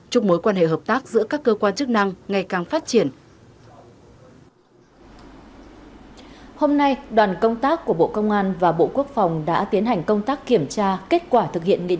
chúc mối quan hệ hợp tác giữa các cơ quan chức năng ngày càng phát triển